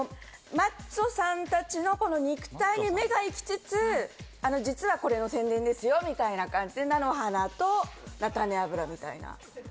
マッチョさんたちの肉体に目がいきつつ、実はこれの宣伝ですよみたいな形で菜の花と菜種油みたいな。